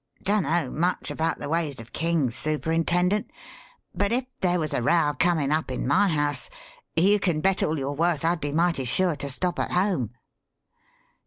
Dunno much about the ways of kings, Superintendent, but if there was a row coming up in my house, you can bet all you're worth I'd be mighty sure to stop at home."